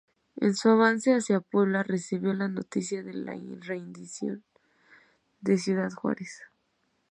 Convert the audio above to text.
En su avance hacia Puebla recibió la noticia de la rendición de Ciudad Juárez.